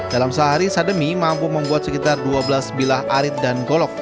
dalam sehari sademi mampu membuat sekitar dua belas bilah arit dan golok